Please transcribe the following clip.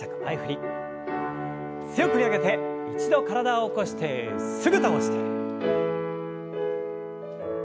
強く振り上げて一度体を起こしてすぐ倒して。